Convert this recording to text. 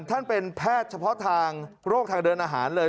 ท่านเป็นแพทย์เฉพาะทางโรคทางเดินอาหารเลย